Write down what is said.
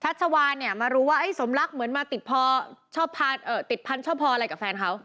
ชัชชาวานมารู้ว่าสมรักเหมือนมาติดพันธ์เฉพาะอะไรกับแฟนเขา